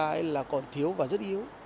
nên là còn thiếu và rất yếu